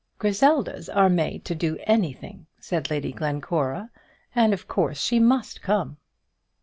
"Griseldas are made to do anything," said Lady Glencora, "and of course she must come."